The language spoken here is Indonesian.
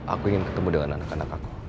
aku ingin ketemu dengan anak anak aku